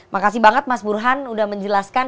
makasih banget mas burhan udah menjelaskan